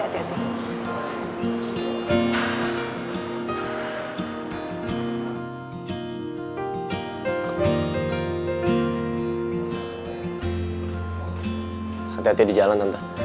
hati hati di jalan tentu